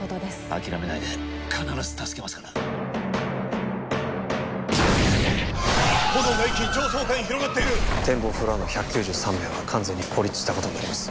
諦めないで必ず助けますから炎が一気に上層階に広がっている展望フロアの１９３名は完全に孤立したことになります